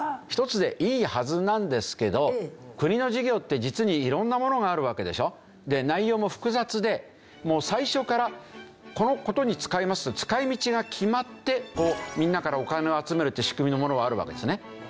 １つでいいはずなんですけど国の事業って実に色んなものがあるわけでしょ？で内容も複雑でもう最初からこの事に使いますと使い道が決まってみんなからお金を集めるって仕組みのものはあるわけですね。